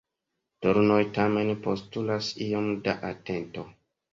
Dornoj tamen postulas iom da atento.